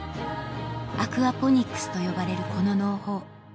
アクアポニックスと呼ばれるこの農法